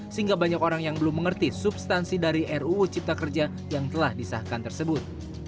sehingga banyak orang yang belum mengerti substansi dari ruu cipta kerja yang telah disahkan tersebut